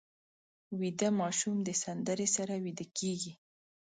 ویده ماشوم د سندرې سره ویده کېږي